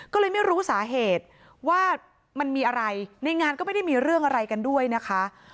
ก็เลยไม่รู้สาเหตุว่ามันมีอะไรในงานก็ไม่ได้มีเรื่องอะไรกันด้วยนะคะ